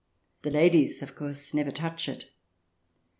The ladies, of course, never touch it.